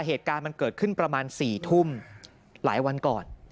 เหตุการณ์มันเกิดขึ้นประมาณ๔ทุ่มหลายวันก่อน